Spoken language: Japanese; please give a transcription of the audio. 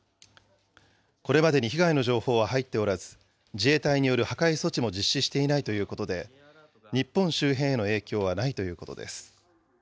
これまでに被害の情報は入っておらず、自衛隊による破壊措置も実施していないということで、日本周辺への影響はないということです。